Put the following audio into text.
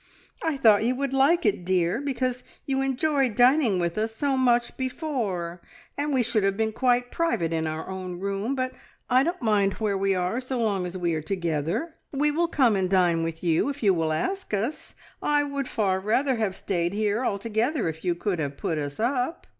I thought you would like it, dear, because you enjoyed dining with us so much before, and we should have been quite private in our own room; but I don't mind where we are, so long as we are together. We will come and dine with you if you will ask us. I would far rather have stayed here altogether if you could have put us up!"